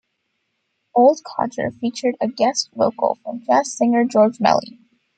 "Old Codger" featured a guest vocal from jazz singer George Melly.